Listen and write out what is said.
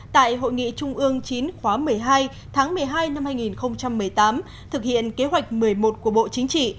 tại hội nghị trung ương chín khóa một mươi hai tháng một mươi hai năm hai nghìn một mươi tám thực hiện kế hoạch một mươi một của bộ chính trị